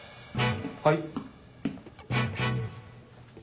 はい。